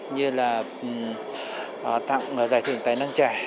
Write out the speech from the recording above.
như là tặng giải thưởng tài năng trẻ